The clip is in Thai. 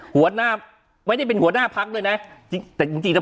หัวหน้าไม่ได้เป็นหัวหน้าพักด้วยนะจริงแต่จริงจริงแล้ว